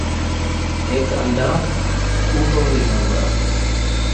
ہک ان٘ڈا ، اوہو وی گن٘دا